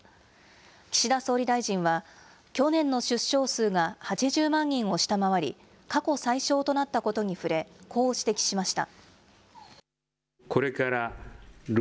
岸田総理大臣は、去年の出生数が８０万人を下回り、過去最少となったことに触れ、こう指摘しました。